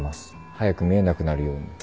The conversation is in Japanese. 早く見えなくなるように。